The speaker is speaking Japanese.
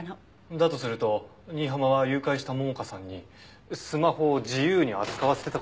だとすると新浜は誘拐した桃香さんにスマホを自由に扱わせてた事になる。